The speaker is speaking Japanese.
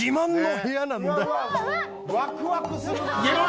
ワクワクするな。